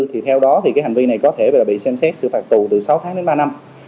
theo đó hành vi này có thể bị xem xét xử phạt tù từ sáu tháng đến ba năm